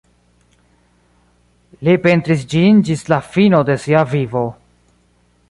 Li pentris ĝin ĝis la fino de sia vivo.